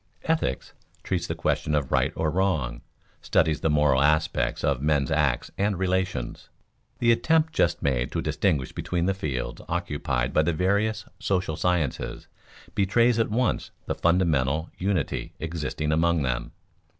Ethics treats the question of right or wrong, studies the moral aspects of men's acts and relations. The attempt just made to distinguish between the fields occupied by the various social sciences betrays at once the fundamental unity existing among them.